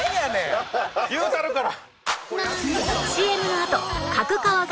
言うたるから。